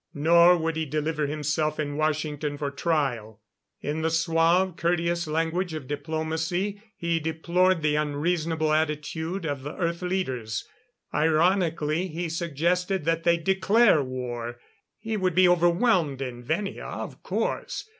Nor would he deliver himself in Washington for trial. In the suave, courteous language of diplomacy, he deplored the unreasonable attitude of the Earth leaders. Ironically, he suggested that they declare war. He would be overwhelmed in Venia, of course.